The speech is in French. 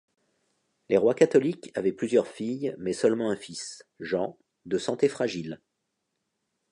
Les Rois catholiques avaient plusieurs filles, mais seulement un fils, Jean, de santé fragile.